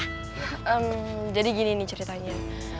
hmm jadi gini nih ceritanya